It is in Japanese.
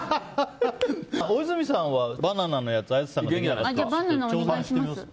大泉さんはバナナのやつできるんじゃないですか？